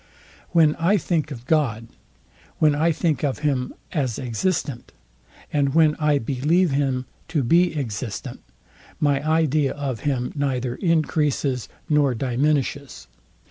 When I think of God, when I think of him as existent, and when I believe him to be existent, my idea of him neither encreases nor diminishes.